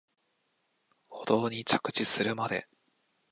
舗道に着地するまで